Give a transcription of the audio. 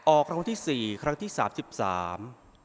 รางวัลที่สี่ครั้งที่สามสิบสาม